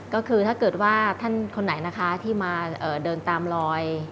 ก็คือถ้าเกิดว่าท่านคนไหนนะคะที่มาเดินตามรอย